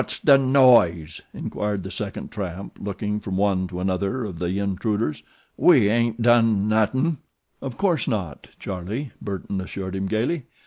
"Wot's de noise?" inquired the second tramp, looking from one to another of the intruders. "We ain't done nothin'." "Of course not, Charlie," Burton assured him gaily.